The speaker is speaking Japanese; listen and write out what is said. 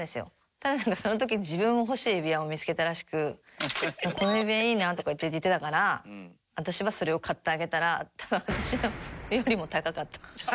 ただなんかその時自分も欲しい指輪を見つけたらしく「この指輪いいな」とか言ってたから私はそれを買ってあげたら多分私の。